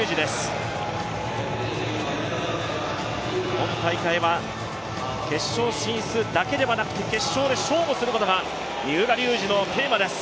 今大会は決勝進出だけではなくて決勝で勝負することが三浦龍司のテーマです。